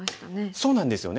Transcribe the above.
そうなんですよね。